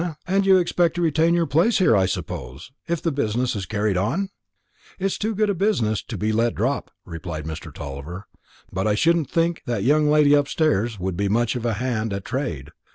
"Humph! And you expect to retain your place here, I suppose, if the business is carried on?" "It's too good a business to be let drop," replied Mr. Tulliver; "but I shouldn't think that young lady upstairs would be much of a hand at trade.